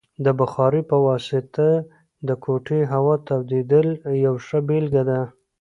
د بخارۍ په واسطه د کوټې هوا تودیدل یوه ښه بیلګه ده.